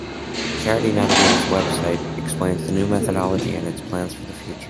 Charity Navigator's website explains the new methodology and its plans for the future.